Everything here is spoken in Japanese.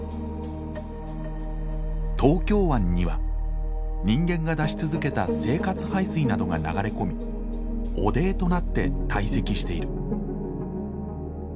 東京湾には人間が出し続けた生活排水などが流れ込み汚泥となって堆積している。